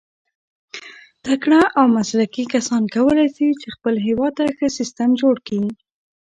تکړه او مسلکي کسان کولای سي، چي خپل هېواد ته ښه سیسټم جوړ کي.